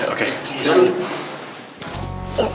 oke selamat tinggal